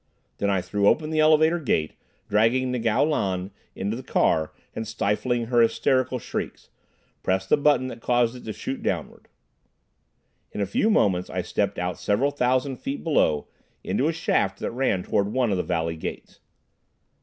Then I threw open the elevator gate, dragging Ngo Lan into the car and stifling her hysterical shrieks, pressed the button that caused it to shoot downward. In a few moments I stepped out several thousand feet below, into a shaft that ran toward one of the Valley Gates.